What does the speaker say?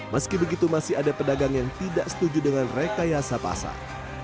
meski begitu masih ada pedagang yang tidak setuju dengan rekayasa pasar